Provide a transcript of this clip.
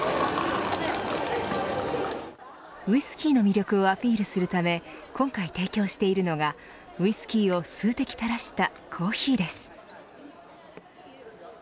ウイスキーの魅力をアピールするため今回提供しているのがウイスキーを数滴たらしたコーヒーです。